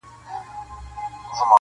• په مخلوق کي اوسېدله خو تنها وه -